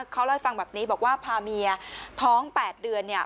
เขาล้อยฟังแบบนี้บอกว่าพาเมียท้อง๘เดือนเนี่ย